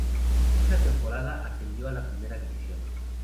Esa temporada ascendió a la Primera División.